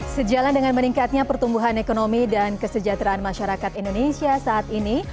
sejalan dengan meningkatnya pertumbuhan ekonomi dan kesejahteraan masyarakat indonesia saat ini